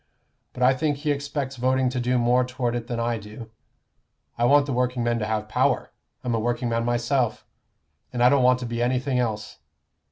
But I think he expects voting to do more toward it than I do. I want the workingmen to have power. I'm a workingman myself, and I don't want to be anything else.